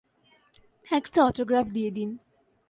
একটা অটোগ্রাফ দিয়ে দিন।